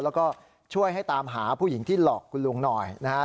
แล้วก็ช่วยให้ตามหาผู้หญิงที่หลอกคุณลุงหน่อยนะฮะ